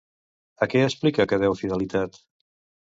A què explica que deu fidelitat?